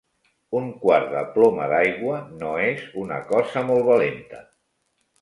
Un quart de ploma d'aigua no és una cosa molt valenta